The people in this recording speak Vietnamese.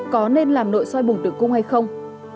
có nên làm nội soi bùng tử cung hay không